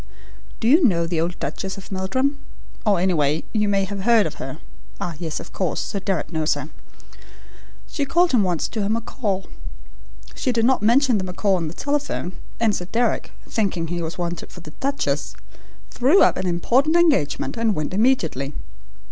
Do you know the old Duchess of Meldrum? Or anyway, you may have heard of her? Ah, yes, of course, Sir Deryck knows her. She called him in once to her macaw. She did not mention the macaw on the telephone, and Sir Deryck, thinking he was wanted for the duchess, threw up an important engagement and went immediately.